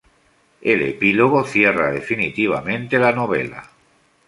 El Epílogo cierra definitivamente la novela.